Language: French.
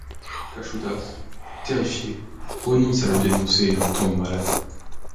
Kachoudas, terrifié, renonce à le dénoncer et en tombe malade.